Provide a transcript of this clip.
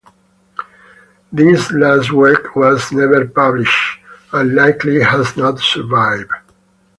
This last work was never published, and likely has not survived.